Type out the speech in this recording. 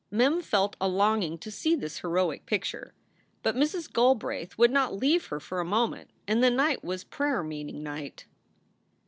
Mem felt a longing to see this heroic picture. But Mrs. Galbraith would not leave her for a moment, and the night was prayer meeting night.